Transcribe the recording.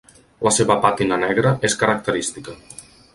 La seva pàtina negra és característica.